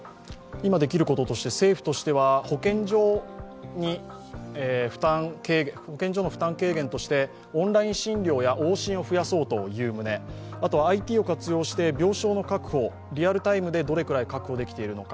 政府としては保健所の負担軽減としてオンライン診療や往診を増やそうという旨、あとＩＴを活用して病床の確保、リアルタイムでどれくらい確保できているのか。